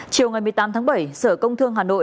chiều một mươi tám bảy sở công thương hà nội